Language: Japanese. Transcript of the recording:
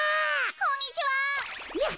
こんにちは。